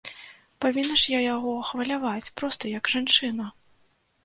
Павінна ж я яго хваляваць, проста, як жанчына.